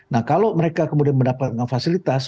nah kalau mereka kemudian mendapatkan fasilitas